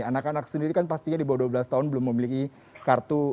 anak anak sendiri kan pastinya di bawah dua belas tahun belum memiliki kartu